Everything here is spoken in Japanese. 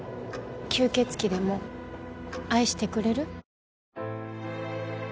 吸血鬼でも愛してくれる？